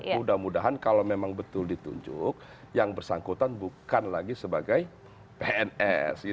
mudah mudahan kalau memang betul ditunjuk yang bersangkutan bukan lagi sebagai pns